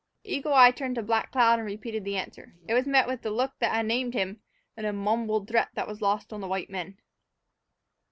Eagle Eye turned to Black Cloud and repeated the answer. It was met with the look that had named him, and a mumbled threat that was lost on the white men.